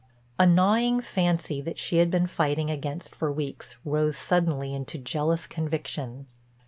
A gnawing fancy that she had been fighting against for weeks rose suddenly into jealous conviction.